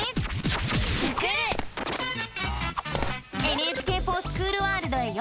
「ＮＨＫｆｏｒＳｃｈｏｏｌＲａｄｉｏ」！